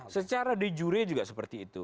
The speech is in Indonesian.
secara de jure juga seperti itu